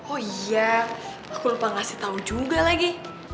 oh iya aku lupa ngasih tahu juga lagi